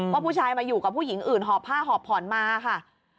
ผู้ชายมาอยู่กับผู้หญิงอื่นหอบผ้าหอบผ่อนมาค่ะ